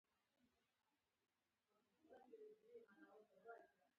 د همدې فرعون په کور کې موسی علیه السلام ستر شو.